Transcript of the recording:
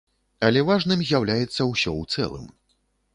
Але важным з'яўляецца ўсё ў цэлым.